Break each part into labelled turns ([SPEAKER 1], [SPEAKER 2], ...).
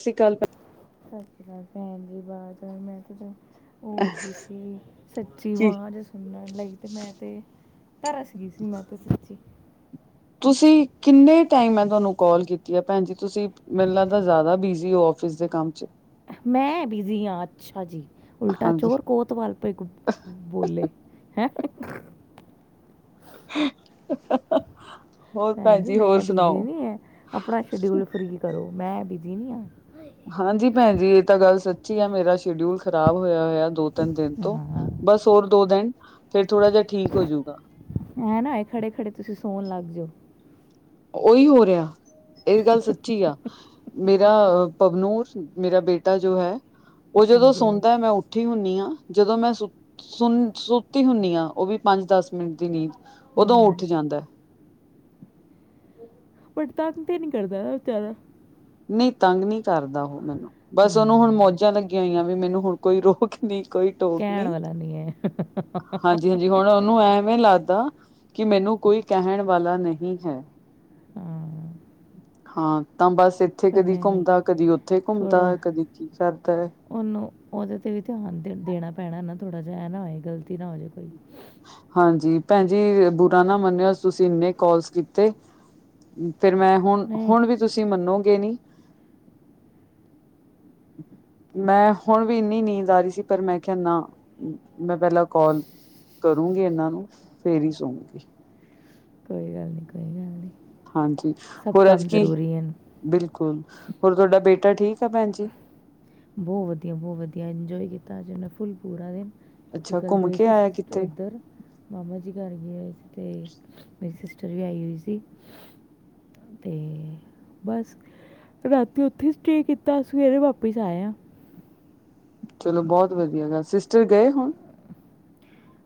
[SPEAKER 1] ਸਤ ਸ਼ੀ ਅਕਾਲ ਭੈਣ
[SPEAKER 2] ਸਤਿ ਸ਼੍ਰੀ ਅਕਾਲ ਭੈਣ ਜੀ ਬਾਦ ਮੈਂ ਤੇ ਫੇਰ ਓ ਹੋ ਗਈ ਸੀ ਸੱਚੀ
[SPEAKER 1] ਜੀ
[SPEAKER 2] ਆਵਾਜ਼ ਸੁਣਨ ਲਈ ਤੇ ਮੈਂ ਤੇ ਤਰਸ ਗਈ ਸੀ ਮੈਂ ਤੇ ਸੱਚੀ।
[SPEAKER 1] ਤੁਸੀਂ ਕਿੰਨੇ ਟਾਈਮ ਮੈਂ ਤੁਹਾਨੂੰ ਕੋਲ ਕੀਤੀ ਆ ਭੈਣ ਜੀ ਤੁਸੀਂ ਮੈਨੂੰ ਲੱਗਦਾ ਜ਼ਿਆਦਾ ਬਿਜ਼ੀ ਹੋ ਆਫਿਸ ਦੇ ਕੰਮ 'ਚ।
[SPEAKER 2] ਮੈਂ ਬਿਜੀ ਆ ਅੱਛਾ ਜੀ ਉਲਟਾ
[SPEAKER 1] ਹਾਂਜੀ
[SPEAKER 2] ਚੋਰ ਕੋਤ ਤਵਾਲ ਪੇ ਕੂ ਬੋਲੇ ਹੈਂ
[SPEAKER 1] ਹੋਰ ਭੈਣਜੀ ਹੋਰ ਸੁਣਾਓ?
[SPEAKER 2] ਅਪਨਾ ਸ਼ਡਿਊਲ ਫਰੀ ਕਰੋ ਮੈਂ ਬਿਜ਼ੀ ਨਈ ਆ।
[SPEAKER 1] ਹਾਂਜੀ ਭੈਣ ਜੀ ਇਹ ਤਾਂ ਗੱਲ ਸੱਚੀ ਆ ਮੇਰਾ ਸ਼ਡਿਊਲ ਖਰਾਬ ਹੋਇਆ ਹੋਇਆ ਦੋ ਤਿੰਨ ਦਿਨ ਤੋਂ, ਬਸ ਹੋਰ ਦੋ ਦਿਨ ਫੇਰ ਥੋੜਾ ਜਿਹਾ ਠੀਕ ਹੋਜੂਗਾ।
[SPEAKER 2] ਏਂ ਨਾ ਹੋਏ ਖੜੇ, ਖੜੇ ਤੁਸੀਂ ਸੋਣ ਲੱਗ ਜੋ।
[SPEAKER 1] ਉਹੀ ਹੋ ਰਿਹਾ। ਏ ਗੱਲ ਸੱਚੀ ਆ। ਮੇਰਾ ਪ੍ਰਬਨੁਸ਼! ਮੇਰਾ ਬੇਟਾ ਜੋ ਹੈ। ਓ ਜਦੋਂ
[SPEAKER 2] ਹਾਂਜੀ
[SPEAKER 1] ਸੌਦਾ ਆ ਮੈਂ ਸੁੱਤੀ ਹੁੰਨੀ ਆਂ। ਜਦੋਂ ਮੈਂ ਸੁਨ ਸੁੱਤੀ ਹੁੰਦੀ ਆ। ਓ ਵੀ ਪੰਜ-ਦਸ ਮਿੰਟ ਦੀ ਨੀਂਦ। ਉਦੋਂ ਉੱਠ
[SPEAKER 2] ਹੂੰ
[SPEAKER 1] ਜਾਂਦਾ।
[SPEAKER 2] ਪਰ ਤੰਗ ਤੇ ਨੀ ਕਰਦਾ ਨਾ ਜ਼ਿਆਦਾ?
[SPEAKER 1] ਨਈ ਤੰਗ ਨੀ ਕਰਦਾ ਓ ਮੈਨੂੰ। ਬਸ ਉਨੂੰ ਹੁਣ
[SPEAKER 2] ਹੂੰ
[SPEAKER 1] ਮੌਜਾਂ ਲੱਗੀਆਂ ਹੋਈਆਂ ਵੀ। ਮੈਨੂੰ ਹੁਣ ਕੋਈ ਰੋਕ ਨੀ ਕੋਈ ਟੋਕ
[SPEAKER 2] ਕਹਿਣ ਵਾਲਾ ਨੀ ਆ।
[SPEAKER 1] ਜੀ ਹੁਣ ਉਹਨੂੰ ਐਵੇਂ ਲੱਗਦਾ। ਕਿ ਮੈਨੂੰ ਕੋਈ ਕਹਿਣ ਵਾਲਾ ਨਹੀਂ ਹੈ।
[SPEAKER 2] ਹਾਂ
[SPEAKER 1] ਹਾਂ। ਤਾਂ ਬਸ ਇੱਥੇ
[SPEAKER 2] ਪਰ
[SPEAKER 1] ਕਦੀ
[SPEAKER 2] ਨਹੀਂ
[SPEAKER 1] ਘੁੰਮਦਾ। ਕਦੀ ਉੱਥੇ ਘੁੰਮਦਾ। ਕਦੀ ਕੀ ਕਰਦਾ ਆ।
[SPEAKER 2] ਉਨੂੰ, ਉਹਦੇ ਤੇ ਵੀ ਧਿਆਨ ਤੇ ਦੇਣਾ ਪੈਣਾ ਨਾ ਥੋੜ੍ਹਾ ਜਿਹਾ। ਏ ਨਾ ਹੋਏ ਗ਼ਲਤੀ ਨਾ ਹੋ ਜੇ ਕੋਈ।
[SPEAKER 1] ਹਾਂਜੀ। ਭੈਣ ਜੀ ਬੁਰਾ ਨਾ ਮੰਨਿਓ। ਅੱਜ ਤੁਸੀਂ ਇੰਨੇ ਕੋਲਸ ਕੀਤੇ। ਫਿਰ ਮੈਂ,
[SPEAKER 2] ਨਹੀਂ
[SPEAKER 1] ਹੁਣ-ਹੁਣ ਵੀ ਤੁਸੀਂ ਮੰਨੋਗੇ ਨੀ। ਮੈਂ ਹੁਣ ਵੀ ਇੰਨੀ ਨੀਂਦ ਆ ਰਹੀ ਸੀ। ਪਰ ਮੈਂ ਕਿਹਾ ਨਾ। ਮੈਂ ਪਹਿਲਾਂ ਕਾਲ ਕਰੂੰਗੀ ਇਨਾਂ ਨੂੰ। ਫੇਰ ਹੀ ਸੌਗੀ।
[SPEAKER 2] ਕੋਈ ਗੱਲ ਨੀ। ਕੋਈ ਗੱਲ ਨੀ।
[SPEAKER 1] ਹਾਂਜੀ। ਹੋਰ ਅੱਜ ਕੀ? ਬਿਲਕੁਲ। ਹੋਰ ਤੁਹਾਡਾ ਬੇਟਾ ਠੀਕ ਆ ਭੈਣ ਜੀ?
[SPEAKER 2] ਬਹੁਤ ਵਧੀਆ। ਬਹੁਤ ਵਧੀਆ। ਇੰਜੋਏ ਕੀਤਾ ਅੱਜ ਉਨੇ ਫੁੱਲ ਪੂਰਾ ਦਿਨ। ਕਿਉਂਕਿ
[SPEAKER 1] ਅੱਛਾ
[SPEAKER 2] ਕੱਲ
[SPEAKER 1] ਘੁੰਮ
[SPEAKER 2] ਗਏ
[SPEAKER 1] ਕੇ
[SPEAKER 2] ਸੀ
[SPEAKER 1] ਆਇਆ
[SPEAKER 2] ਅਸੀਂ
[SPEAKER 1] ਕਿੱਥੇ
[SPEAKER 2] ਓਧਰ। ਮਾਮਾ ਜੀ ਘਰ ਗਏ ਹੋਏ ਸੀ। ਤੇ ਮੇਰੀ ਸਿਸਟਰ ਵੀ ਆਈ ਹੋਈ ਸੀ। ਤੇ। ਬਸ ਰਾਤੀ ਓਥੇ ਸਟੇਅ ਕੀਤਾ ਸਵੇਰੇ ਵਾਪਿਸ ਜਾਇਆ।
[SPEAKER 1] ਚਲੋ ਬਹੁਤ ਵਧੀਆ ਗਾ। ਸਿਸਟਰ ਗਏ ਹੁਣ?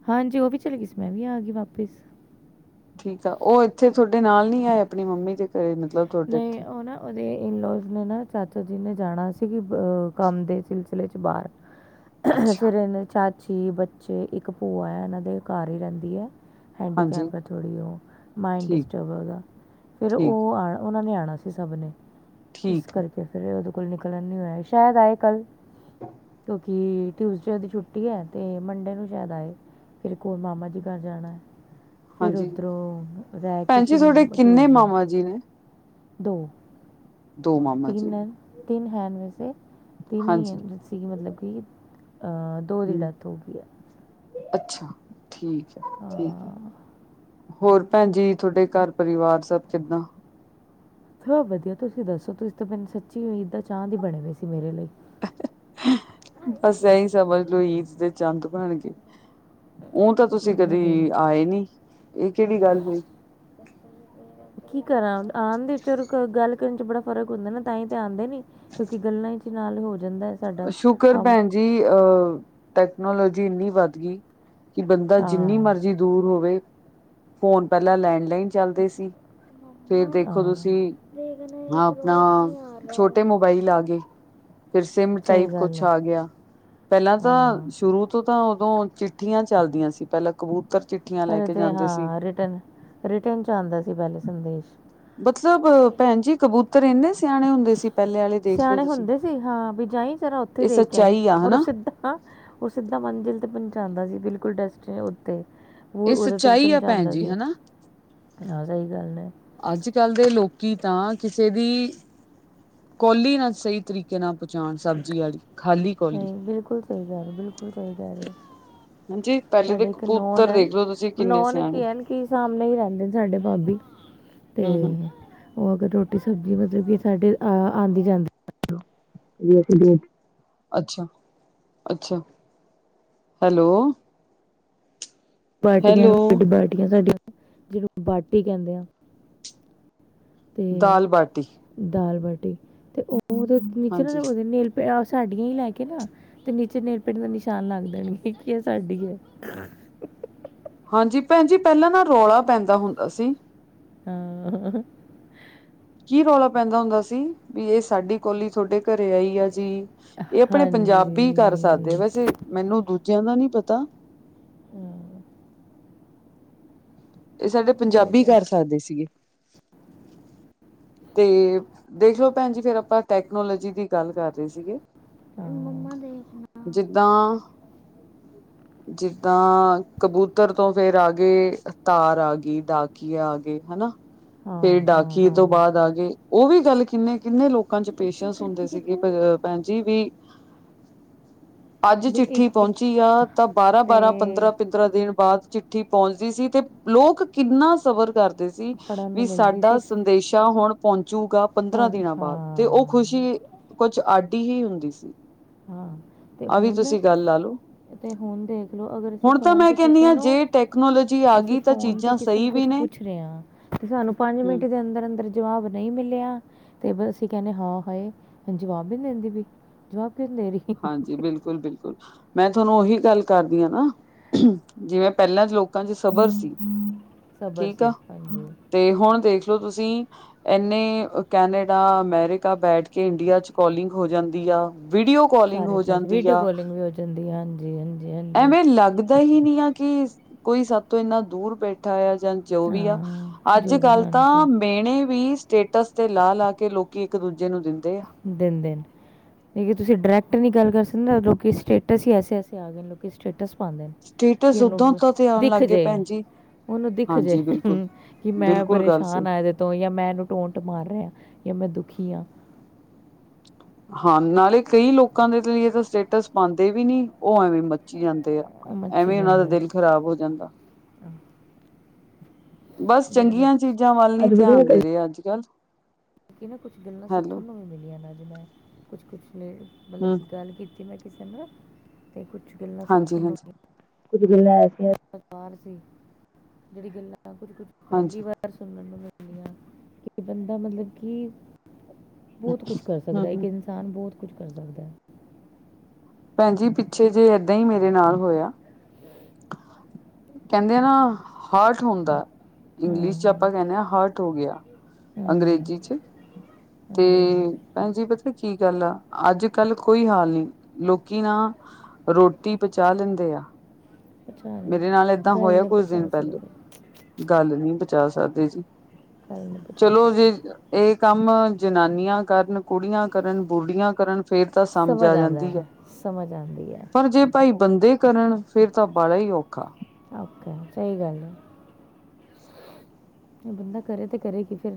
[SPEAKER 2] ਹਾਂਜੀ। ਓ ਵੀ ਚਲੀ ਗਈ ਸੀ। ਮੈਂ ਵੀ ਆ ਗਈ ਵਾਪਿਸ।
[SPEAKER 1] ਠੀਕ ਆ। ਓ ਏਥੇ ਥੋਡੇ ਨਾਲ ਨੀ ਆਏ? ਆਪਣੀ ਮੰਮੀ ਦੇ ਘਰੇ ਮਤਲਬ। ਤੁਹਾਡੇ
[SPEAKER 2] ਨਈ।
[SPEAKER 1] ਇੱਥੇ
[SPEAKER 2] ਓ ਨਾ ਉਦੇ ਇਨਲੋਜ਼ ਨੇ ਨਾ। ਚਾਚਾ ਜੀ ਨੇ ਜਾਣਾ ਸੀਗੀ ਅ ਕੰਮ ਦੇ ਸਿਲਸਿਲੇ 'ਚ ਬਾਰ।
[SPEAKER 1] ਅੱਛਾ
[SPEAKER 2] ਫੇਰ ਇਨੇ ਚਾਚੀ, ਬੱਚੇ, ਇੱਕ ਭੂਆ ਆ, ਇਨਾਂ ਦੇ ਘਰ ਹੀ ਰਹਿੰਦੀ ਆ।
[SPEAKER 1] ਹਾਂਜੀ
[SPEAKER 2] ਹੈਂਡੀਕੈਂਪ ਆ ਥੋੜ੍ਹੀ ਓ ਮਾਈਂਡ
[SPEAKER 1] ਠੀਕ
[SPEAKER 2] ਡਿਸਟਰਬ ਆ ਓਦਾਂ ਫਿਰ ਓ
[SPEAKER 1] ਠੀਕ
[SPEAKER 2] ਆਉ ਉਨਾਂ ਨੇ ਆਂਣਾ ਸੀ ਸਭ ਨੇ। ਇਸ
[SPEAKER 1] ਠੀਕ ਆ
[SPEAKER 2] ਕਰਕੇ ਫਿਰ ਉਦੇ ਕੋਲ ਨਿਕਲਣ ਨੀ ਹੋਇਆ। ਸ਼ਾਇਦ ਆਏ ਕੱਲ। ਕਿਉਂਕੀ ਟਿਊਜ਼ਡੇ ਦੀ ਛੁੱਟੀ ਹੈ। ਅਤੇ ਮੰਡੇ ਨੂੰ ਜਾਣਾ ਏ। ਫੇਰ ਕੋਲ ਮਾਮਾ ਜੀ ਘਰ ਜਾਣਾ ਹੈ। ਫਿਰ
[SPEAKER 1] ਹਾਂਜੀ
[SPEAKER 2] ਉਧਰੋਂ ਰਹਿ ਕੇ,
[SPEAKER 1] ਭੈਣ ਜੀ ਤੁਹਾਡੇ
[SPEAKER 2] ਫਿਰ
[SPEAKER 1] ਕਿੰਨੇ
[SPEAKER 2] ਟਿਊਜ਼ਡੇ
[SPEAKER 1] ਮਾਮਾ ਜੀ ਨੇ।
[SPEAKER 2] ਦੋ
[SPEAKER 1] ਦੋ ਮਾਮਾ ਜੀ
[SPEAKER 2] ਤਿੰਨ
[SPEAKER 1] ਨੇ
[SPEAKER 2] ਹੈਂ ਤਿੰਨ ਹੈ ਵੈਸੇ। ਤਿੰਨ ਹੀ ਹੈ
[SPEAKER 1] ਹਾਂਜੀ
[SPEAKER 2] ਮਤਲਬ ਕਿ ਅ ਦੋ ਦੀ
[SPEAKER 1] ਹੂੰ
[SPEAKER 2] ਡੈਥ ਹੋ ਗਈ ਹੈ।
[SPEAKER 1] ਅੱਛਾ, ਠੀਕ ਹੈ, ਠੀਕ ਹੈ। ਹੋਰ ਭੈਣ ਜੀ, ਤੁਹਾਡੇ ਘਰ ਪਰਿਵਾਰ ਸਭ ਕਿੱਦਾਂ?
[SPEAKER 2] ਸਭ ਵਧੀਆ, ਤੁਸੀਂ ਦੱਸੋ? ਤੁਸੀਂ ਤੋਂ ਮੈ, ਸੱਚੀ ਈਦ ਦਾ ਚੰਦ ਹੀ ਬਣੇ ਪਏ ਸੀ ਮੇਰੇ ਲਈ।
[SPEAKER 1] ਬਸ ਇਹੀ ਸਮਝ ਲੋਓ ਈਦ ਦੇ ਚੰਦ ਬਣ ਗਏ। ਉਂ ਤਾਂ ਤੁਸੀਂ
[SPEAKER 2] ਇੰਨੇ
[SPEAKER 1] ਕਦੇ
[SPEAKER 2] ਦਿਨ
[SPEAKER 1] ਆਏ ਨੀ। ਇਹ ਕਿਹੜੀ ਗੱਲ ਹੋਈ।
[SPEAKER 2] [unintelligible] ਕੀ ਕਰਾਂ ਆਣਦੇ ਵਿਚ ਗੱਲ ਕਰਨ ਚ ਬੜਾ ਫ਼ਰਕ ਹੁੰਦਾ ਨਾ ਤਾਂ ਹੀ ਤਾਂ ਆਉਂਦੇ ਨੀ। ਕਿਉਂਕਿ ਗੱਲਾਂ ਚ ਨਾਲ ਹੋ ਜਾਂਦਾ ਹੈ ਸਾਡਾ
[SPEAKER 1] ਸ਼ੁਕਰ
[SPEAKER 2] ਕੰਮ।
[SPEAKER 1] ਭੈਣ ਜੀ ਅਹ ਟੈਕਨੋਲੋਜੀ ਇੰਨੀ ਵੱਧ ਗਈ। ਕਿ ਬੰਦਾ ਜਿੰਨੀ
[SPEAKER 2] ਹਾਂ
[SPEAKER 1] ਮਰਜ਼ੀ ਦੂਰ ਹੋਵੇ। ਫੋਨ ਪਹਿਲਾਂ ਲੈਂਡਲਾਈਨ ਚੱਲਦੇ ਸੀ। ਫੇਰ ਦੇਖੋ
[SPEAKER 2] ਹਾਂ
[SPEAKER 1] ਤੁਸੀਂ ਹਾਂ ਆਪਣਾ ਛੋਟੇ ਮੋਬਾਈਲ ਆ ਗਏ। ਫਿਰ ਸਿਮ ਟਾਈਪ
[SPEAKER 2] ਸਹੀ ਗੱਲ
[SPEAKER 1] ਕੁਛ
[SPEAKER 2] ਹੈ
[SPEAKER 1] ਆ ਗਿਆ। ਪਹਿਲਾਂ ਤਾਂ
[SPEAKER 2] ਹਾਂ
[SPEAKER 1] ਸ਼ੁਰੂ ਤੋਂ ਤਾਂ ਉਦੋਂ ਚਿੱਠੀਆਂ ਚੱਲਦੀਆਂ ਸੀ। ਪਹਿਲਾਂ ਕਬੂਤਰ ਚਿੱਠ
[SPEAKER 2] ਪਹਲੇ ਤੇ ਹਾਂ। ਰਿਟਰਨ ਚ ਆਉਂਦਾ ਸੀ ਪਹਿਲੇ ਸੰਦੇਸ਼।
[SPEAKER 1] ਮਤਲਬ
[SPEAKER 2] ਆ ਗਿਆ
[SPEAKER 1] ਭੈਣ ਜੀ ਕਬੂਤਰ ਇੰਨੇ ਸਿਆਣੇ ਹੁੰਦੇ ਸੀ ਪਹਿਲੇ ਆਲੇ ਦੇਖਲੋ
[SPEAKER 2] ਸਿਆਣੇ
[SPEAKER 1] ਤੁਸੀਂ।
[SPEAKER 2] ਹੁੰਦੇ ਸੀ ਹਾਂ ਵੀ ਜਾਈ ਜਰਾ ਉੱਥੇ
[SPEAKER 1] ਇਹ
[SPEAKER 2] ਦੇ ਕੇ ਆਈ
[SPEAKER 1] ਸੱਚਾਈ ਆ
[SPEAKER 2] ਔਰ ਉਹ
[SPEAKER 1] ਹਨਾ
[SPEAKER 2] ਸਿੱਧਾ ਹਾਂ ਉਹ ਸਿੱਧਾ ਮੰਜ਼ਿਲ ਤੇ ਪਹੁੰਚਾਉਂਦਾ ਸੀ ਬਿਲਕੁਲ ਡਸਟ ਉੱਤੇ ਹੋਰ
[SPEAKER 1] ਇਹ
[SPEAKER 2] ਉਹਦੇ ਤੱਕ
[SPEAKER 1] ਸੱਚਾਈ ਆ ਭੈਣ
[SPEAKER 2] ਪਹੁੰਚਾਉਂਦਾ
[SPEAKER 1] ਜੀ
[SPEAKER 2] ਸੀ
[SPEAKER 1] ਹਨਾ।
[SPEAKER 2] ਹਾਂ ਸਹੀ ਗੱਲ ਨੇ
[SPEAKER 1] ਅੱਜ ਕੱਲ ਦੇ ਲੋਕੀ ਤਾਂ ਕਿਸੇ ਦੀ ਕੋਲੀ ਨਾ ਸਹੀ ਤਰੀਕੇ ਨਾਲ ਪਹੁੰਚਾਉਣ ਸਬਜ਼ੀ ਆਲੀ ਖਾਲੀ ਕੋਲੀ।
[SPEAKER 2] ਸਈ ਬਿਲਕੁਲ ਸਈ ਕਹਿ ਰਹੇ ਹੋ ਬਿਲਕੁਲ ਸਹੀ ਕਹਿ ਰਹੇ ਹੋ
[SPEAKER 1] ਹਾਂ ਜੀ ਪਹਿਲੇ ਦੇ
[SPEAKER 2] ਸਾਡੇ ਇੱਕ ਨੌਨ
[SPEAKER 1] ਕਬੂਤਰ
[SPEAKER 2] ਹਨ
[SPEAKER 1] ਦੇਖ ਲਓ ਤੁਸੀਂ ਕਿੰਨੇ
[SPEAKER 2] ਨੌਨ
[SPEAKER 1] ਸਿਆਣੇ
[SPEAKER 2] ਕੀ ਸਾਮਣੇ ਹੀ ਰਹਿੰਦੇ ਸਾਡੇ ਭਾਬੀ ਤੇ
[SPEAKER 1] ਹੂੰ ਹੂੰ।
[SPEAKER 2] ਉਹ ਅਗਰ ਰੋਟੀ ਸਬਜ਼ੀ ਮਤਲਬ ਕਿ ਸਾਡੇ ਆਉਂਦੀ ਜਾਂਦੀ [inaudible]
[SPEAKER 1] ਅੱਛਾ ਅੱਛਾ ਹੈਲੋ
[SPEAKER 2] ਬਾਟੀਆਂ
[SPEAKER 1] ਹੈਲੋ
[SPEAKER 2] ਨੂੰ ਬਾਰਟੀਆਂ ਸਾਡੀਆਂ ਜਿਹਨੂੰ ਬਾਟੀ ਕਹਿੰਦੇ ਆ
[SPEAKER 1] ਦਾਲ
[SPEAKER 2] ਤੇ
[SPEAKER 1] ਬਾਟੀ
[SPEAKER 2] ਦਾਲ ਬਾਟੀ ਤੇ ਉਹਦੇ ਨੀਚੇ
[SPEAKER 1] ਹਾਂਜੀ
[SPEAKER 2] ਨਾ ਨੇਲ ਪ ਸਾਡੀਆਂ ਹੀ ਲੈ ਕੇ ਨਾ ਤੇ ਨੀਚੇ ਨੇਕ ਪੇਂਟ ਦਾ ਨਿਸ਼ਾਨ ਲਾਂਦੇ ਨੇ ਕੀ ਕੀ ਇਹ ਸਾਡੀ ਏ
[SPEAKER 1] ਹਾਂਜੀ ਭੈਣ ਜੀ ਪਹਿਲਾਂ ਨਾ ਰੌਲਾ ਪੈਂਦਾ ਹੁੰਦਾ ਸੀ
[SPEAKER 2] ਹਾਂ
[SPEAKER 1] ਕੀ ਰੌਲਾ ਪੈਂਦਾ ਹੁੰਦਾ ਸੀ ਵੀ ਇਹ ਸਾਡੀ ਕੌਲੀ ਤੁਹਾਡੇ ਘਰੇ ਆਈ ਆ ਜੀ ਇਹ ਆਪਣੇ
[SPEAKER 2] ਹਾਂਜੀ
[SPEAKER 1] ਪੰਜਾਬੀ ਕਰ ਸਕਦੇ ਵੈਸੇ ਮੈਨੂੰ ਦੂਜਿਆਂ ਦਾ ਨੀ ਪਤਾ ਇਹ ਸਾਡੇ
[SPEAKER 2] ਵਹੀ
[SPEAKER 1] ਪੰਜਾਬੀ
[SPEAKER 2] ਕਹਿ-
[SPEAKER 1] ਕਰ ਸਕਦੇ ਸੀਗੇ ਤੇ ਦੇਖ ਲਓ ਭੈਣ ਜੀ ਫਿਰ ਆਪਾਂ ਟੈਕਨੋਲੋਜੀ ਦੀ ਗੱਲ ਕਰ ਰਹੇ ਸੀਗੇ
[SPEAKER 2] ਹਾਂ ਮੰਮਾ ਦੇਖਨਾ
[SPEAKER 1] ਜਿੱਦਾਂ
[SPEAKER 2] [inaudible]
[SPEAKER 1] ਜਿੱਦਾਂ ਕਬੂਤਰ ਤੋਂ ਫੇਰ ਆਗੇ, ਤਾਰ ਆ ਗਈ ਡਾਕੀਆ ਆ ਗਏ ਹਨਾ। ਫੇਰ
[SPEAKER 2] ਹਾਂ ਹਾਂ
[SPEAKER 1] ਡਾਕੀਏ ਤੋਂ
[SPEAKER 2] ਹਾਂ
[SPEAKER 1] ਬਾਅਦ ਆ ਗਏ, ਉ ਵੀ ਗੱਲ ਕਿੰਨੇ-ਕਿੰਨੇ ਲੋਕ ਲੋਕਾਂ ਚ ਪੇਸ਼ੈਂਸ ਹੁੰਦੇ ਸੀਗੇ ਭੈਣ ਜੀ ਵੀ ਅੱਜ
[SPEAKER 2] ਵੀ
[SPEAKER 1] ਚਿੱਠੀ
[SPEAKER 2] ਇੱਕ ਇੱਕ
[SPEAKER 1] ਪੋਂਚੀ ਆ, ਤਾਂ
[SPEAKER 2] ਤੇ
[SPEAKER 1] ਬਾਰਾਂ-ਬਾਰਾਂ ਪੰਦਰਾਂ ਤਰਾ ਦੀਨ ਬਾਦ ਚਿੱਠੀ ਪੋਂਚਦੀ ਸੀ ਤੇ ਲੋਕ ਕਿੰਨਾ ਸਬਰ ਕਰਦੇ ਸੀ।
[SPEAKER 2] ਪੜਨ
[SPEAKER 1] ਵੀ
[SPEAKER 2] ਨੂੰ ਮਿਲਦੀ
[SPEAKER 1] ਸਾਡਾ
[SPEAKER 2] ਸੀ
[SPEAKER 1] ਸੰਦੇਸ਼ਾ ਹੁਣ ਪੋੰਚੂਗਾ ਪੰਦਰਾਂ
[SPEAKER 2] ਫੋਨ
[SPEAKER 1] ਦਿਨਾਂ
[SPEAKER 2] ਹਾਂ
[SPEAKER 1] ਬਾਦ, ਤੇ ਉ ਖੁਸ਼ ਕੁਛ ਆਡੀ ਈ ਹੁੰਦੀ ਸੀ।
[SPEAKER 2] ਹਾਂ
[SPEAKER 1] ਆਹ ਵੀ ਤੁਸੀਂ ਗੱਲ ਲਾ ਲੋ।
[SPEAKER 2] ਤੇ ਹੁਨ ਦੇਖਲੋ ਅਗਰ ਅਸੀਂ ਫੋਨ ਤੇ
[SPEAKER 1] ਕਹਿੰਦੀ
[SPEAKER 2] ਕਿਸੇ
[SPEAKER 1] ਹਾਂ
[SPEAKER 2] ਨੂੰ,
[SPEAKER 1] ਜੇ ਟੈਕਨੋਲੋਜੀ ਆ
[SPEAKER 2] ਅਸੀਂ
[SPEAKER 1] ਗਈ ਤਾਂ
[SPEAKER 2] ਫੋਨ ਤੇ
[SPEAKER 1] ਚੀਜ਼ਾਂ
[SPEAKER 2] ਕਿਸੇ ਨੂੰ
[SPEAKER 1] ਸਹੀ
[SPEAKER 2] ਕੁਛ
[SPEAKER 1] ਵੀ
[SPEAKER 2] ਪੁ
[SPEAKER 1] ਨੇ
[SPEAKER 2] ਪੁੱਛ ਰੇਆਂ, ਤੇ ਸਾਨੂੰ ਪੰਜ ਮਿੰਟ
[SPEAKER 1] ਹਮ
[SPEAKER 2] ਦੇ ਅੰਦਰ-ਅੰਦਰ ਜਵਾਬ ਨਈ ਮਿਲਿਆ ਤੇ ਅਸੀਂ ਕੈਨੇ ਹਾ ਹਏ ਜਵਾਬ ਵੀ ਨੀ ਦੇੰਦੀ ਵਈ। ਕਿਨੇਰੀ
[SPEAKER 1] ਹਾਂਜੀ ਬਿਲਕੁਲ-ਬਿਲਕੁਲ, ਮੈਂ ਤੁਹਾਨੂੰ ਉਹੀ ਗੱਲ ਕਰਦੀ ਆ ਨਾ ਜਿਵੇਂ ਪੈਲਾਂ ਲੋ ਕਾਂ ਚ ਸਬਰ ਸੀ,
[SPEAKER 2] ਸਬਰ
[SPEAKER 1] ਠੀਕ
[SPEAKER 2] ਸੇ
[SPEAKER 1] ਆ
[SPEAKER 2] ਹਾਂਜੀ
[SPEAKER 1] ਤੇ ਹੁਨ ਦੇਖ ਲੋ ਤੁਸੀਂ ਐਨੇ ਕੈਨੇਡਾ, ਅਮਰੀਕਾ ਬੈਠ ਕੇ ਇੰਡੀਆ ਚ ਕੋਲਿੰਗ ਹੋ ਜਾਂਦੀ ਆ ਵੀਡੀਓ ਕੋਲਿੰਗ
[SPEAKER 2] ਸਾਰੇ
[SPEAKER 1] ਹੋ
[SPEAKER 2] ਪਾਸੇ
[SPEAKER 1] ਜਾਂਦੀ
[SPEAKER 2] ਵੀਡੀਓ
[SPEAKER 1] ਆ।
[SPEAKER 2] ਕਾਲਿੰਗ ਵੀ ਹੋ ਜਾਂਦੀ ਹੈ ਹਾਂਜੀ ਹਾਂਜੀ ਹਾਂਜੀ
[SPEAKER 1] ਐਵੇਂ ਲਗ ਦਾ ਹੀ ਨਹੀ ਆ ਕਿ ਕੋਈ ਸਾਤੋਂ ਇਨਾ ਦੂਰ ਬੈਠਾ ਆ ਜਾਂ ਜੋ ਵੀ ਆ।
[SPEAKER 2] ਹਾਂ
[SPEAKER 1] ਅੱਜ
[SPEAKER 2] ਜੋ ਵੀ
[SPEAKER 1] ਗੱਲ ਤਾਂ
[SPEAKER 2] ਹਾਂਜੀ
[SPEAKER 1] ਮੇਣੇ ਵੀ ਸਟੇਟਸ ਦੇ ਲਾ-ਲਾ ਕੇ ਲੋਕੀ ਏਕ ਦੂਜੇ ਨੂੰ ਦਿੰਦੇ ਆ।
[SPEAKER 2] ਦਿੰਦੇ ਨੇ। ਤੁਸੀਂ ਡਾਇਰੈਕਟ ਨਈ ਗੱਲ ਕਰ ਸਕਦੇ ਨਾ, ਲੋਕੀ ਸਟੇਟਸ ਈ ਐਸੇ-ਐਸੇ ਆ ਗਏ ਲੋਕੀ ਸਟੇਟਸ ਪਾਂਦੇ ਨੇ ਕਿ
[SPEAKER 1] ਸਟੇਟਸ ਓਦਾਂ
[SPEAKER 2] ਉਨੂੰ
[SPEAKER 1] ਉਦਾਂ ਤੇ ਆਉਣ
[SPEAKER 2] ਦਿਖ
[SPEAKER 1] ਲੱਗ ਗਏ
[SPEAKER 2] ਜੇ।
[SPEAKER 1] ਭੈਣ ਜੀ
[SPEAKER 2] ਉਨੂੰ ਦਿਖ ਜੇ
[SPEAKER 1] ਹਾਂਜੀ ਬਿਲਕੁਲ
[SPEAKER 2] ਹੂੰ ਕਿ ਮੈਂ
[SPEAKER 1] ਬਿਲਕੁਲ ਗੱਲ
[SPEAKER 2] ਪਰੇਸ਼ਾਨ
[SPEAKER 1] ਸਹੀ
[SPEAKER 2] ਆ ਏ ਤੋਂ ਯਾਂ ਮੈਂ ਇਨੂੰ ਟੋਟ ਮਾਰ ਰਿਆ ਯਾਂ ਮੈਂ ਦੁਖੀ ਆਂ।
[SPEAKER 1] ਹਾਂ ਨਾਲੇ ਕਈ ਲੋਕਾਂ ਦੇ ਤੇ ਲਈ ਤਾਂ ਸਟੇਟਸ ਪਾਂਦੇ ਵੀ ਨੀ ਉ ਐਵੇਂ ਮੱਚੀ ਜਾਂਦੇ ਆ।
[SPEAKER 2] ਮੱਚੀ
[SPEAKER 1] ਐਵੇਂ ਉਨਾਂ ਦਾ
[SPEAKER 2] ਜਾਂਦੇ ਨੇ
[SPEAKER 1] ਦੇਲ ਖਰਾਬ ਹੋ ਜਾਂਦਾ। ਬਸ
[SPEAKER 2] ਬੜੇ ਲੋਕ
[SPEAKER 1] ਚੰਗੀਆਂ ਚੀਜ਼ਾਂ ਵੱਲ ਨੀ ਧਿਆਨ ਦੇ ਰਏ ਅੱਜ ਕੱਲ।
[SPEAKER 2] ਮਤਲਬ ਕਿ ਨਾ ਕੁੱਛ ਗੱਲਾਂ
[SPEAKER 1] ਹੈਲੋ
[SPEAKER 2] ਸਿੱਖਨ ਨੂੰ ਵੀ ਮਿਲੀਆਂ ਨਾ ਅਜ, ਮੈਂ ਕੁਛ-ਕੁਛ ਮਤਲਬ
[SPEAKER 1] ਹੂੰ
[SPEAKER 2] ਕਿ ਗੱਲ ਕੀਤੀ ਮੈਂ ਕਿਸੇ ਨਾਲ ਤੇ ਕੁਛ ਗੱਲਾਂ ਸਿੱਖਣ
[SPEAKER 1] ਹਾਂਜੀ
[SPEAKER 2] ਨੂੰ
[SPEAKER 1] ਹਾਂਜੀ
[SPEAKER 2] ਕੁੱਝ ਗੱਲਾਂ ਐਸੀਆਂ ਸੀ, ਜੇੜੀ ਗੱਲਾਂ ਕੁੱਝ-ਕੁਛ ਪੈਲੀ
[SPEAKER 1] ਹਾਂਜੀ
[SPEAKER 2] ਵਾਰ ਰ ਸੁਣਨ ਨੂੰ ਮਿਲਦੀਆਂ, ਕਿ ਬੰਦਾ ਮਤਲਬ ਕਿ ਬੋਤ ਕੁਛ ਕਰ
[SPEAKER 1] ਹੂੰ
[SPEAKER 2] ਸਕਦੈ ਇੱਕ
[SPEAKER 1] ਹੂੰ
[SPEAKER 2] ਇਨਸਾਨ ਬੋਤ ਕੁਛ ਕਰ ਸਕਦੈ।
[SPEAKER 1] ਭੈਣ ਜੀ ਪਿੱਛੇ ਜੇ ਏਦਾਂ ਈ ਮੇਰੇ ਨਾਲ ਹੋਇਆ ਕੈਂਦੇ ਨਾ ਹਾਰਟ ਹੁੰਦੈ।
[SPEAKER 2] ਹਾਂ
[SPEAKER 1] ਇੰਗਲਿਸ਼ ਚ'
[SPEAKER 2] ਹਾਂ
[SPEAKER 1] ਆਪਾਂ ਕੇਨੇ ਆਂ ਹਾਰਟ ਹੋ ਗਿਆ,
[SPEAKER 2] ਹਾਂ
[SPEAKER 1] ਅੰਗਰੇਜ਼ੀ 'ਚ ਤੇ
[SPEAKER 2] ਹਾਂਜੀ ਹਾਂਜੀ
[SPEAKER 1] ਭੈਣਜੀ ਪਤਾ ਕੀ ਗੱਲ ਆ ਅੱਜ ਕੱਲ ਕੋਈ ਹਾਲ ਨੀ ਲੋਕੀ ਨਾ ਰੋਟੀ ਪਚਾ ਲੈਂਦੇ ਆ
[SPEAKER 2] ਪਚਾ
[SPEAKER 1] ਮੇਰੇ ਨਾਲ ਏਦਾਂ
[SPEAKER 2] ਗੱਲ
[SPEAKER 1] ਹੋਇਆ
[SPEAKER 2] ਨੀ
[SPEAKER 1] ਕੁੱਝ ਦਿਨ
[SPEAKER 2] ਪਚਾ
[SPEAKER 1] ਪਹਿਲੇ
[SPEAKER 2] ਸਕਦੇ।
[SPEAKER 1] ਗੱਲ ਨੀ ਪਚਾ ਸਕਦੇ ਜੀ।
[SPEAKER 2] ਗੱਲ ਨਹੀਂ ਪਛਾਣ
[SPEAKER 1] ਚਲੋ ਜੇ
[SPEAKER 2] ਸਕਦੇ
[SPEAKER 1] ਏ ਕੰਮ ਜਨਾਨੀਆਂ ਕਰਨ, ਕੁੜੀਆਂ ਕਰਨ, ਬੁਢੀਆਂ ਕਰਨ ਫੇਰ ਤਾਂ
[SPEAKER 2] ਸਮਝ
[SPEAKER 1] ਆ
[SPEAKER 2] ਆਂਦੈ,
[SPEAKER 1] ਜਾਂਦੀ ਆ
[SPEAKER 2] ਸਮਝ ਆਂਦੀ ਐ।
[SPEAKER 1] ਜੇ ਭਾਈ ਬੰਦੇ ਕਰਨ ਫੇਰ ਤਾਂ ਬਾਲਾ ਈ ਔਖਾ
[SPEAKER 2] ਓਕੇ ਸਈ ਗੱਲ ਏ। ਬੰਦਾ ਕਰੇ ਤੇ ਕਰੇ ਕੀ ਫੇਰ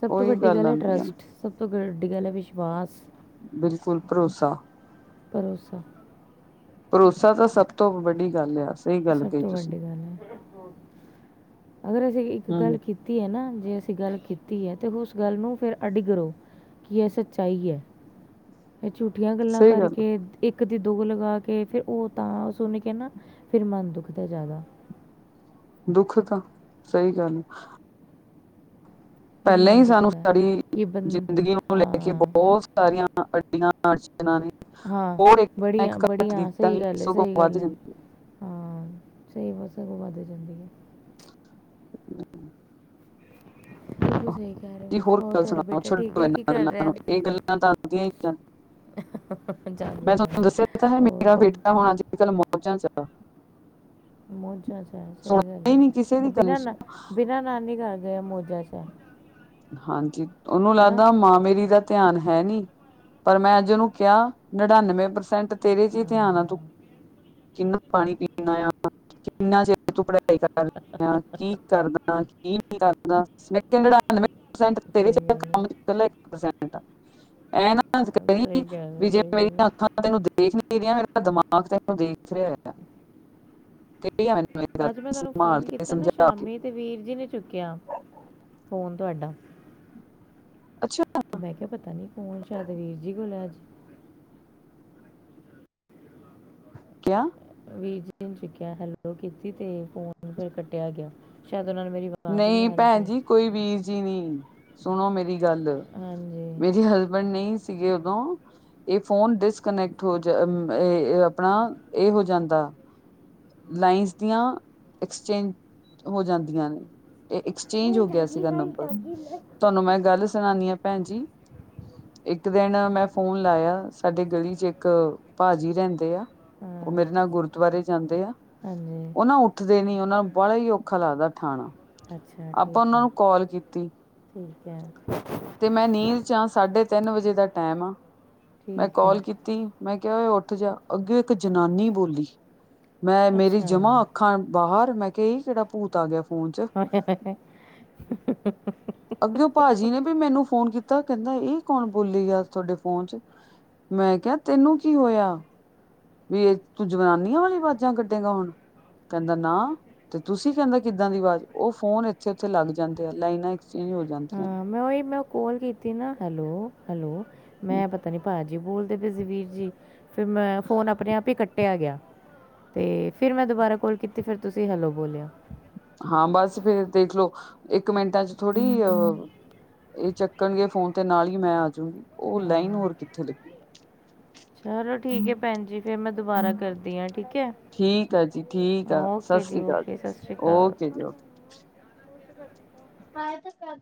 [SPEAKER 2] ਸਭ ਤੋਂ
[SPEAKER 1] ਉਹੀ
[SPEAKER 2] ਵੱਡੀ ਗੱਲ ਏ
[SPEAKER 1] ਆਉਂਦੀ ਆ
[SPEAKER 2] ਟਰੱਸਟ, ਸਭ ਤੋਂ ਵੱਡੀ ਗੱਲ ਏ ਵਿਸ਼ਵਾਸ।
[SPEAKER 1] ਬਿਲਕੁਲ ਭਰੋਸਾ
[SPEAKER 2] ਭਰੋਸਾ
[SPEAKER 1] ਭਰੋਸਾ ਤਾਂ ਸਭ ਤੋਂ ਵੱਡੀ ਗੱਲ ਆ ਸਹੀ ਗੱਲ
[SPEAKER 2] ਸਭ
[SPEAKER 1] ਕਹੀ
[SPEAKER 2] ਤੋਂ
[SPEAKER 1] ਤੁਸੀਂ
[SPEAKER 2] ਵੱਡੀ ਗੱਲ ਹੈ, ਅਗਰ ਅਸੀਂ ਇੱਕ ਗੱਲ
[SPEAKER 1] ਹਮ
[SPEAKER 2] ਕੀਤੀ ਕੀਤੀ ਹੈ ਨਾ, ਜੇ ਅਸੀਂ ਗੱਲ ਕੀਤੀ ਹੈ ਤੇ ਉਸ ਗੱਲ ਨੂੰ ਫੇਰ ਅੱਡੀ ਕਰੋ ਕੀ ਐ ਸੱਚਾਈ ਹੈ। ਐ ਝੂਠੀਆਂ ਗੱਲਾਂ
[SPEAKER 1] ਸਹੀ ਗੱਲ ਆ।
[SPEAKER 2] ਕਰਕੇ ਇੱਕ ਦੀ ਦੋ ਲਗਾ ਕੇ, ਫੇਰ ਉਹ ਤਾਂ ਸੁਣ ਕੇ ਨਾ ਫਿਰ ਮਨ ਦੁੱਖਦਾ ਜ਼ਿਆਦਾ
[SPEAKER 1] ਦੁੱਖ ਤਾਂ ਸਹੀ ਗੱਲ ਆ
[SPEAKER 2] ਫਿਰ
[SPEAKER 1] ਪਹਿਲਾਂ ਹੀ
[SPEAKER 2] ਮਨ
[SPEAKER 1] ਸਾਨੂੰ
[SPEAKER 2] ਦੁਖਦਾ
[SPEAKER 1] ਸਾਡੀ
[SPEAKER 2] ਕਿ ਬੰ
[SPEAKER 1] ਜ਼ਿੰਦਗੀ ਨੂੰ ਲੈ ਕੇ
[SPEAKER 2] ਹਾਂ
[SPEAKER 1] ਬਹੁਤ ਸਾਰੀਆਂ ਨਚ ਨੇ
[SPEAKER 2] ਹਾਂ
[SPEAKER 1] ਹੋਰ ਇੱਕ
[SPEAKER 2] ਬੜੀਆਂ
[SPEAKER 1] ਘੱਟ
[SPEAKER 2] ਬੜੀਆਂ
[SPEAKER 1] ਦਿੱਤਾ
[SPEAKER 2] ਸਹੀ ਗੱਲ ਹੈ
[SPEAKER 1] ਸਗੋ
[SPEAKER 2] ਸਹੀ
[SPEAKER 1] ਵੱਧ
[SPEAKER 2] ਗੱਲ
[SPEAKER 1] ਜਾਂ
[SPEAKER 2] ਹੈ ਹਾਂ ਸਹੀ ਬਸ ਸਗੋਂ ਵੱਧ ਜਾਂਦੀ ਆ
[SPEAKER 1] ਹਮ
[SPEAKER 2] ਤ' ਸਹੀ ਕਹਿ ਰਹੇ ਹੋ,
[SPEAKER 1] ਜੀ
[SPEAKER 2] ਹੋਰ
[SPEAKER 1] ਗੱਲ
[SPEAKER 2] ਤੁਹਾਡਾ
[SPEAKER 1] ਸੁਣਾਓ
[SPEAKER 2] ਬੇਟਾ ਠੀਕ
[SPEAKER 1] ਛੱਡੋ
[SPEAKER 2] ਹੈ ਕੀ
[SPEAKER 1] ਇਹਨਾਂ
[SPEAKER 2] ਕਰ
[SPEAKER 1] ਗੱਲਾਂ
[SPEAKER 2] ਰਿਹਾ
[SPEAKER 1] ਨੂੰ ਇਹ ਗੱਲਾਂ ਤਾਂ ਆਉਂਦੀਆਂ ਹੀ ਜਾਂ
[SPEAKER 2] ਜਾਂਦੀਆਂ
[SPEAKER 1] ਮੈਂ ਤੁਹਾਨੂੰ
[SPEAKER 2] ਰਹਿੰਦੀਏ
[SPEAKER 1] ਦੱਸਿਆ ਤਾਂ ਹੈ
[SPEAKER 2] ਹੋਰ
[SPEAKER 1] ਮੇਰਾ ਬੇਟਾ ਹੁਣ ਅੱਜ ਕੱਲ੍ਹ ਮੌਜਾਂ 'ਚ ਆ।
[SPEAKER 2] ਮੋਜਾਂ ਚ ਐ, ਸਹੀ ਗੱਲ
[SPEAKER 1] ਸੁਣਦਾ ਹੀ
[SPEAKER 2] ਹੈ
[SPEAKER 1] ਨਹੀਂ ਕਿਸੇ
[SPEAKER 2] ਉਹ
[SPEAKER 1] ਦੀ ਗੱਲ
[SPEAKER 2] ਬਿਨਾਂ-ਬਿਨਾਂ ਨਾਨੀ ਘਰ ਗਏ ਮੋਜ ਜੈ ਜਾ
[SPEAKER 1] ਹਾਂਜੀ ਉਹਨੂੰ ਲੱਗਦਾ ਮਾਂ ਮੇਰੀ ਦਾ ਧਿਆਨ ਹੈ ਨੀ, ਪਰ ਮੈਂ ਅੱਜ ਉਹਨੂੰ ਕਿਹਾ ਨੜਨਵੇਂ ਪ੍ਰਸੈਂਟ ਤੇਰੇ ਚ' ਧਿਆਨ
[SPEAKER 2] ਹਾਂ
[SPEAKER 1] ਆ, ਤੂੰ ਕਿਹਨੂੰ ਪਾਣੀ ਪੀਣਾ ਆ ਕਿੰਨਾ ਚਿਰ ਤੂੰ ਪੜ੍ਹਾਈ ਕਰਦਾ, ਕੀ ਕਰਨਾ ਕੀ ਨਹੀਂ ਕਰਨਾ [unintelligible] [unintelligible]
[SPEAKER 2] ਸਹੀ ਗੱਲ ਹੈ ਸਹੀ ਗੱਲ ਹੈ ਸਹੀ ਗੱਲ ਹੈ
[SPEAKER 1] ਤੈਨੂੰ ਦੇਖ ਨਈ ਰਿਹਾ, ਪਰ ਦਿਮਾਗ ਤੈਨੂੰ ਦੇਖ ਰਿਹਾ ਕੀ ਹਾਲ ਏਦਾ,
[SPEAKER 2] ਅੱਜ ਮੈਂ ਤੁਹਾਨੂੰ
[SPEAKER 1] ਸੰਭਾਲ
[SPEAKER 2] ਫੋਨ
[SPEAKER 1] ਕੇ
[SPEAKER 2] ਕੀਤਾ ਨਾ
[SPEAKER 1] ਸਮਝਾ ਕੇ
[SPEAKER 2] ਸ਼ਾਮੀ ਤੇ ਵੀਰ ਜੀ ਨੇ ਚੁੱਕਿਆ, ਫੋਨ ਤੁਹਾਡਾ
[SPEAKER 1] ਅੱਛਾ
[SPEAKER 2] ਤੇ ਮੈਂ ਕਿਹਾ, ਪਤਾ ਨੀ ਫੋਨ ਸ਼ਾਇਦ ਵੀਰ ਜੀ ਕੋਲ ਐ ਅੱਜ
[SPEAKER 1] ਕਯਾ -
[SPEAKER 2] ਵੀ ਚੁੱਕਿਆ, ਹੈਲੋ ਕੀਤੀ ਤੇ ਫੋਨ ਫਿਰ ਕੱਟਿਆ ਗਿਆ ਸ਼ਾਇਦ ਉਨਾਨੂੰ ਮੇਰੀ ਆਵਾਜ਼
[SPEAKER 1] ਨਹੀਂ
[SPEAKER 2] ਆ ਰਹੀ
[SPEAKER 1] ਭੈਣ ਜੀ
[SPEAKER 2] ਸੀ
[SPEAKER 1] ਕੋਈ ਵੀਰ ਜੀ ਨਹੀਂ, ਸੁਣੋ ਮੇਰੀ ਗੱਲ
[SPEAKER 2] ਹਾਂਜੀ
[SPEAKER 1] ਮੇਰੀ ਹਸਬੈਂਡ ਨਹੀਂ ਸੀਗੇ ਉਦੋਂ ਇਹ ਫੋਨ ਡਿਸਕਨੈਕਟ ਹੋ ਆਪਣਾ ਇਹ ਹੋ ਜਾਂਦਾ ਲਾਈਨਜ਼ ਦੀਆਂ ਐਕਸਚੇਂਜ ਹੋ ਜਾਂਦੀਆਂ ਨੇ ਇਹ ਐਕਸਚੇਂਜ ਹੋ
[SPEAKER 2] ਲਾਈਟ ਆ
[SPEAKER 1] ਗਿਆ
[SPEAKER 2] ਗਈ
[SPEAKER 1] ਸੀਗਾ
[SPEAKER 2] ਲਾਈਟ
[SPEAKER 1] ਨੰਬਰ,
[SPEAKER 2] ਆ ਗਈ
[SPEAKER 1] ਤੁਹਾਨੂੰ ਮੈਂ ਗੱਲ ਸੁਣਾਂਦੀ ਹਾਂ ਭੈਣ ਜੀ
[SPEAKER 2] ਹ [inaudible]
[SPEAKER 1] ਇੱਕ ਦਿਨ ਮੈਂ ਫੋਨ ਲਾਇਆ, ਸਾਡੇ ਗਲੀ ਚ ਇੱਕ ਭਾਜੀ ਰਹਿੰਦੇ ਆ ਉਹ
[SPEAKER 2] ਹਾਂ
[SPEAKER 1] ਮੇਰੇ ਨਾਲ ਗੁਰਦੁਆਰੇ ਜਾਂਦੇ ਆ,
[SPEAKER 2] ਹਾਂਜੀ
[SPEAKER 1] ਉਹ ਨਾ ਉੱਠ ਉੱਠਦੇ ਨੀ, ਉਹਨਾਂ ਨੂੰ ਬੜਾ ਹੀ ਔਖਾ ਲੱਗਦਾ ਉਠਾਣਾ
[SPEAKER 2] ਅੱਛਾ
[SPEAKER 1] ਆਪਾਂ
[SPEAKER 2] ਠੀਕ
[SPEAKER 1] ਉਹਨਾਂ
[SPEAKER 2] ਹੈ
[SPEAKER 1] ਨੂੰ ਕਾਲ ਕੀਤੀ
[SPEAKER 2] ਠੀਕ ਹੈ।
[SPEAKER 1] ਤੇ ਮੈਂ ਨੀਦ ਚ ਆ, ਸਾਢੇ ਤਿੰਨ ਵਜੇ ਦਾ ਟਾਈਮ ਆ ਮੈਂ
[SPEAKER 2] ਠੀਕ ਹੈ
[SPEAKER 1] ਕਾਲ ਕੀਤੀ। ਕੀਤੀ, ਮੈਂ ਕਿਹਾ ਔ ਏ ਉੱਠ ਜਾ, ਅੱਗੇ ਇੱਕ ਜਨਾਨੀ ਬੋਲੀ ਮੈਂ ਮੇਰੀ
[SPEAKER 2] ਅੱਛਾ
[SPEAKER 1] ਜਮਾ ਅੱਖਾਂ ਬਾਹਰ, ਮੈਂ ਕਿਹਾ ਕਿਹੜਾ ਭੂਤ ਆ ਗਿਆ ਫੋਨ ਚ
[SPEAKER 2] ਹੂ ਹੂ
[SPEAKER 1] ਅੱਗੇ ਭਾਜੀ ਨੇ ਵੀ ਮੈਨੂੰ ਫੋਨ ਕੀਤਾ ਕਹਿੰਦਾ ਇਹ ਕੌਣ ਬੋਲੀ ਜਾ ਤੁਹਾਡੇ ਫੋਨ ਚ। ਮੈਂ ਕਿਹਾ ਤੈਨੂੰ ਕੀ ਹੋਇਆ। ਵੀ ਇਹ ਤੂੰ ਜਨਾਨੀਆਂ ਵਾਲੀ ਬਾਜ਼ਾਂ ਕੱਢੇਗਾ ਹੁਣ ਕਹਿੰਦਾ ਨਾ। ਤੇ ਤੁਸੀਂ ਕਹਿੰਦਾ ਕਿੱਦਾਂ ਦੀ ਆਵਾਜ਼ ਉਹ ਫੋਨ ਇੱਥੇ ਉਥੇ ਲੱਗ ਜਾਂਦੇ ਆ ਲਾਈਨਾਂ ਐਕਸਚੇਂਜ ਹੋ ਜਾਂਦੀਆਂ
[SPEAKER 2] ਹਾਂ ਮੈਂ ਉਹੀ ਮੈਂ ਕੋਲ ਕੀਤੀ ਨਾ ਹੈਲੋ, ਹੈਲੋ
[SPEAKER 1] ਨੇ
[SPEAKER 2] ਮੈਂ ਪਤਾ ਨਹੀਂ ਭਾ ਜੀ ਬੋਲਦੇ ਵੀਰ ਜੀ ਫਿਰ ਮੈਂ ਫੋਨ ਆਪਣੇ ਆਪ ਹੀ ਕੱਟ ਕੁੱਟਿਆ ਗਿਆ ਤੇ ਫਿਰ ਮੈਂ ਦੁਬਾਰਾ ਕੋਲ ਕੀਤੀ ਫਿਰ ਤੁਸੀਂ ਹੈਲੋ ਬੋਲਿਆ।
[SPEAKER 1] ਹਾਂ ਬਸ ਫਿਰ ਦੇਖਲੋ ਇੱਕ ਮਿੰਟਾਂ ਚ ਅਜ ਥੋੜ੍ਹੀ ਅ ਇਹ ਚੱਕਣਗੇ ਫੋਨ ਤੇ ਨਾਲ ਹੀ ਮੈਂ ਆ ਜੂ ਉਹ ਲਾਈਨ
[SPEAKER 2] ਹਾਂ
[SPEAKER 1] ਹੋਰ ਕਿੱਥੇ ਲੱਗੀ।
[SPEAKER 2] ਚਲੋ ਠੀਕ ਹੈ ਭੈਣ ਜੀ ਫਿਰ ਮੈਂ ਦੁਬਾਰਾ ਕਰਦੀ ਹਾਂ ਠੀਕ ਹੈ।
[SPEAKER 1] ਠੀਕ ਆ ਜੀ ਠੀਕ ਆ, ਸਤਿ
[SPEAKER 2] ਓਕੇ ਜੀ
[SPEAKER 1] ਸ੍ਰੀ ਅਕਾਲ
[SPEAKER 2] ਓਕੇ ਸਤਿ ਸ਼੍ਰੀ ਅਕਾਲ
[SPEAKER 1] ਓਕੇ ਜੀ ੳਕੇ। ਆ ਇਹ ਤਾਂ ਕਰ